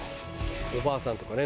おばあさんとかね